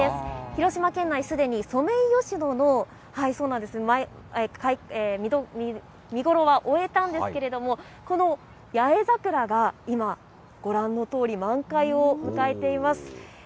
広島県内、すでにソメイヨシノの見ごろは終えたんですけれども、この八重桜が今、ご覧のとおり、満開を迎えています。